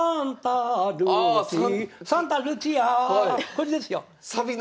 これですよ。